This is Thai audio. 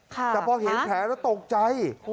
แต่พอเห็นแผลแล้วตกใจ